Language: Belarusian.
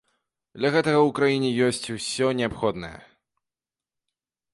Для гэтага ў краіне ёсць усе неабходнае.